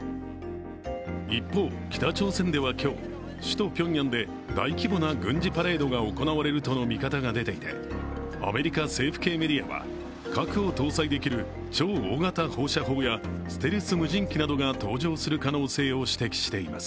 一方、北朝鮮では今日、首都ピョンヤンで大規模な軍事パレードが行われるとの見方が出ていてアメリカ政府系メディアは核を搭載できる超大型放射砲やステルス無人機などが登場する可能性を指摘しています。